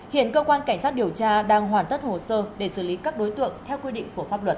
hiện cơ quan cảnh sát điều tra đang hoàn tất hồ sơ để xử lý các đối tượng theo quy định của pháp luật